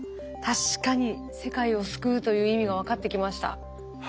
確かに世界を救うという意味が分かってきました。